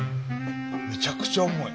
めちゃくちゃ重い。